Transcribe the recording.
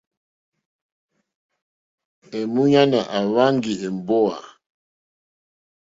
Èmúɲánà àhwánjì èmbówà.